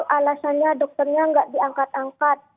alasannya dokternya nggak diangkat angkat